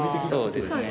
そうですね。